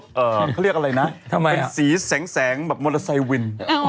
เขาเรียกอะไรนะทำไมเป็นสีแสงแบบมอเตอร์ไซค์วิน